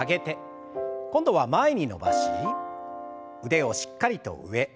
今度は前に伸ばし腕をしっかりと上。